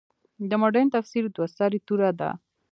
د مډرن تفسیر دوه سرې توره ده.